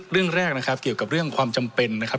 เรื่องแรกนะครับเกี่ยวกับเรื่องความจำเป็นนะครับ